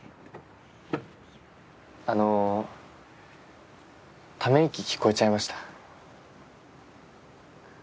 あのため息聞こえちゃいました。